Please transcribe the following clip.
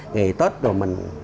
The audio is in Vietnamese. ngày tết rồi mình